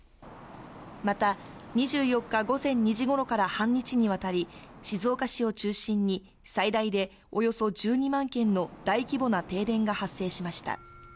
また２４日午前２時ごろから半日にわたり、静岡市を中心に最大でおよそ１２万軒の大規模な停電が発生しました。